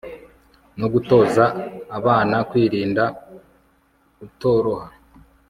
no gutoza abana kwirinda utoroha